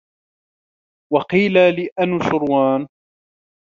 وَقِيلَ لِأَنُوشِرْوَانَ